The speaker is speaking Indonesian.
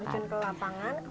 dan terjun ke lapangan